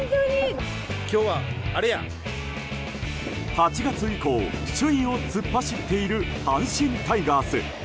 ８月以降首位を突っ走っている阪神タイガース。